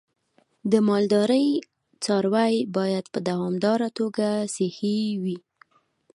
د مالدارۍ څاروی باید په دوامداره توګه صحي وي.